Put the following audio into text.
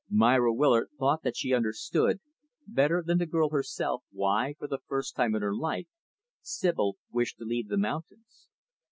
Myra Willard thought that she understood, better than the girl herself, why, for the first time in her life, Sibyl wished to leave the mountains.